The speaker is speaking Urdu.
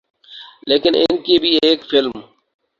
لیکن ان کی بھی ایک فلم